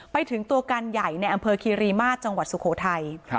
ไปถึงตัวการใหญ่ในอำเภอคีรีมาตรจังหวัดสุโขทัย